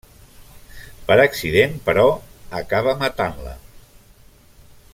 Per accident, però, acaba matant-la.